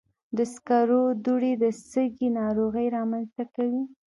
د سکرو دوړې د سږي ناروغۍ رامنځته کوي.